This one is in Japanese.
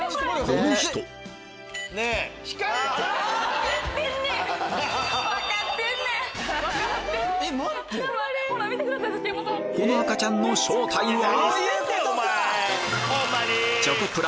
この赤ちゃんの正体は？